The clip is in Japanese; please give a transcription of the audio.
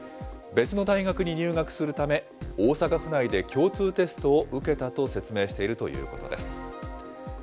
別の大学に入学するため、大阪府内で共通テストを受けたと説明しているということです。